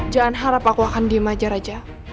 jangan harap aku akan diem aja raja